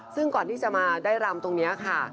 ซึ่งก่อนที่จะมาได้รำตรงนี้ค่ะ